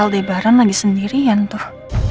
aldebaran lagi sendirian tuh